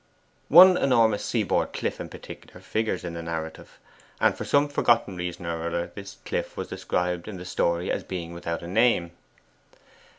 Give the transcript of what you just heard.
One enormous sea bord cliff in particular figures in the narrative; and for some forgotten reason or other this cliff was described in the story as being without a name.